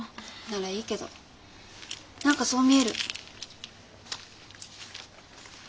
ならいいけど何かそう見える。